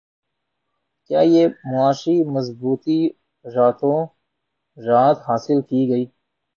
کیا یہ معاشی مضبوطی راتوں رات حاصل کی گئی